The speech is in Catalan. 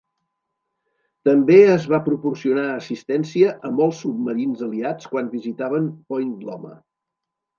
També es va proporcionar assistència a molts submarins aliats quan visitaven Point Loma.